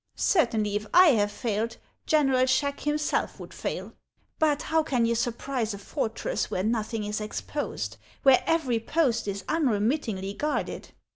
Certainly, if I have failed, General Schack himself would fail. But how can you surprise a fortress where HANS OF ICELAND. 117 nothing is exposed, — where every post is unremittingly guarded